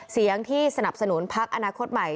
เสียงที่สนับสนุนพักอนาคตใหม่